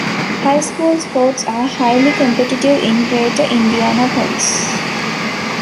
High school sports are highly competitive in Greater Indianapolis.